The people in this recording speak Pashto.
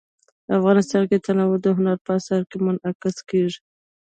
افغانستان کې تنوع د هنر په اثار کې منعکس کېږي.